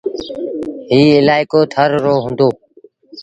ايٚ الآئيڪو ٿر رو هُݩدو۔